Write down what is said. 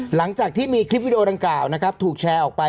หลังจากที่มีคลิปวิดีโอดังกล่าวนะครับถูกแชร์ออกไป